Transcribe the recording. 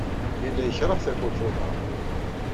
Yella yekṛeh takurt n uḍar.